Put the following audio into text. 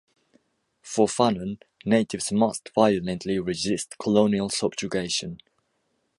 For Fanon, natives must violently resist colonial subjugation.